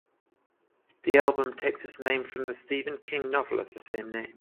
The album takes its name from the Stephen King novel of the same name.